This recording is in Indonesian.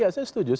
ya saya setuju